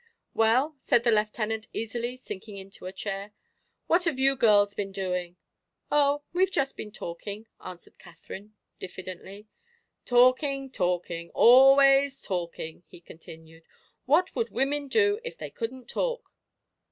"Well," said the Lieutenant, easily, sinking into a chair, "what have you girls been doing?" "Oh, we've just been talking," answered Katherine, diffidently. "Talking, talking, always talking," he continued. "What would women do if they couldn't talk?"